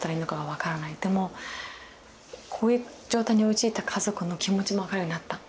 でもこういう状態に陥った家族の気持ちも分かるようになった。